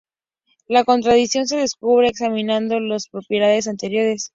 La contradicción se descubre examinando las propiedades anteriores.